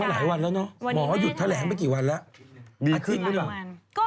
หลายวันแล้วเนอะหมอหยุดแถลงไปกี่วันแล้วดีขึ้นหรือเปล่า